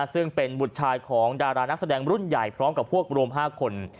ซึ่งเป็นบุตรชายของดารานักแสดงรุ่นใหญ่พร้อมกับพวกรวม๕คน